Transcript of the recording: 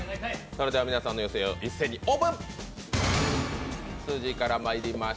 それでは皆さんの予想を一斉にオープン！